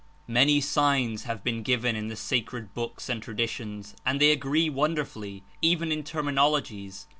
Many signs have been given in the sacred books and traditions and they agree wonderfully, even In terminologies.